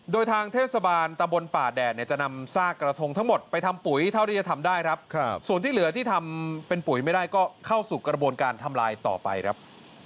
โดยทางเทศบาลตำบลป่าแดดเนี่ยจะนำซากกระทงทั้งหมดไปทำปุ๋ยเท่าที่จะทำได้ครับส่วนที่เหลือที่ทำเป็นปุ๋ยไม่ได้ก็เข้าสู่กระบวนการทำลายต่อไปครับ